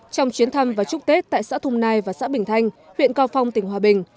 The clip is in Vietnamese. trong chuyến thăm và chúc tết tại xã thung nai và xã bình thanh huyện cao phong tỉnh hòa bình